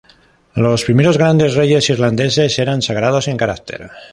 Los primeros "Grandes reyes irlandeses" eran sagrados en carácter.